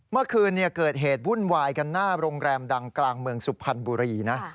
เมื่อคืนเกิดเหตุวุ่นวายกันหน้าโรงแรมดังกลางเมืองสุพรรณบุรีนะ